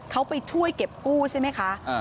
เขาไปช่วยเก็บกู้ใช่ไหมคะ